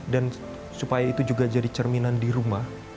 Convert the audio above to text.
dan supaya itu juga jadi cerminan di rumah